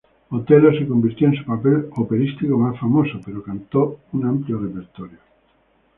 Otello se convirtió en su papel operístico más famoso, pero cantó un amplio repertorio.